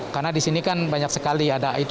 karena di sini kan banyak sekali